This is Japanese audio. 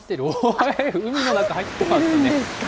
海の中、入ってますね。